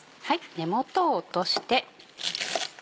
根元を落として。